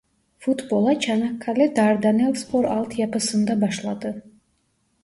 Futbola Çanakkale Dardanelspor alt yapısında başladı.